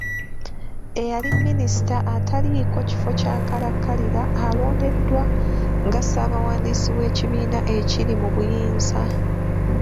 Eyali Minisita ataliiko kifo kya nkalakkalira alondeddwa nga ssaabawandiisi w’ekibiina ekiri mu buyinza.